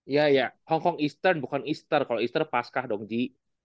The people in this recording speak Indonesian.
ya ya hong kong easter bukan easter kalau easter paskah dong ji